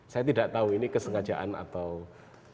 saya tidak tahu ini kesengajaan atau patah hati